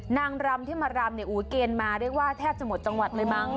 นางรำที่มารำเนี่ยอู๋เกณฑ์มาเรียกว่าแทบจะหมดจังหวัดเลยมั้ง